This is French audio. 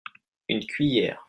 Une cuillère.